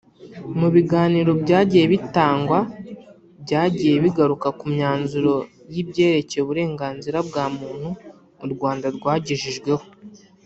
Mu biganiro byagiye bitangwa byajyiye bigaruka ku myanzuro y’ibyerekeye uburenganzura bwa muntu u Rwanda rwagejeweho